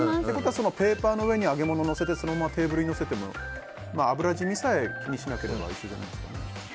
ペーパーの上に揚げ物をのせてそのままテーブルに乗せても油染みさえ気にしなければ一緒じゃないですか。